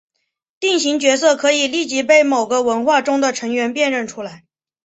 定型角色可以立即被某个文化中的成员辨认出来。